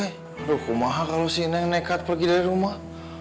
aduh kumar kalau si neng nekat pergi dari rumah